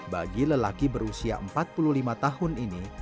bagi lelaki berusia empat puluh lima tahun ini